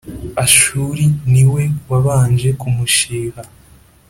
Ashuri ni we wabanje kumushiha